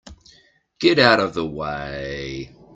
Get out of the way!